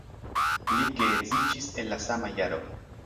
Li geedziĝis en la sama jaro.